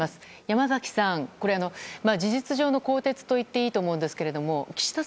山崎さん、事実上の更迭と言っていいと思うんですけど岸田